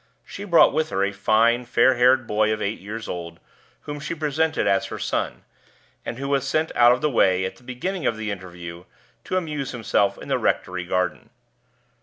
She brought with her a fine, fair haired boy of eight years old, whom she presented as her son, and who was sent out of the way, at the beginning of the interview, to amuse himself in the rectory garden.